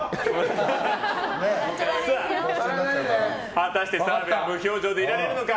果たして澤部は無表情でいられるのか？